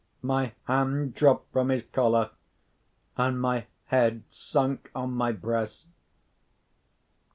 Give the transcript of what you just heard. My hand dropped from his collar, and my head sunk on my breast.